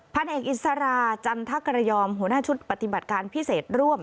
พันเอกอิสราจันทกรยอมหัวหน้าชุดปฏิบัติการพิเศษร่วม